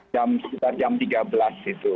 jam sekitar jam tiga belas itu